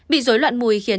bị rối loạn mùi khiến